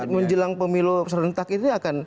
menjelang pemilu serentak ini akan